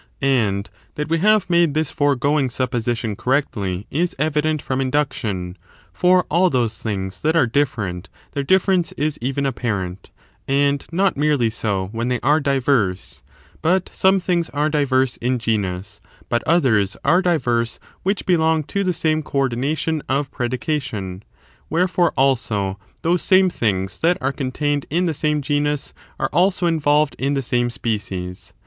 [bOOK I2C. And that we have made this foregoing suppo tion of the sition correctly is evident from induction ; for all toSfctiS/""' t^ose things that are different their difference is even apparent : and not merely so when they are diverse; out some things are diverse in genus, but others are diverse which belong to the same coordination of predication. Wherefore, also, those same things that are contained in the same genus are also involved in the same species.